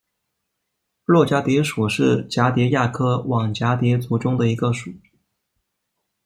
络蛱蝶属是蛱蝶亚科网蛱蝶族中的一个属。